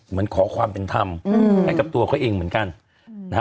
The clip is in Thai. เหมือนขอความเป็นธรรมให้กับตัวเขาเองเหมือนกันนะฮะ